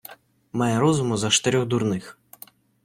Має розуму за штирьох дурних.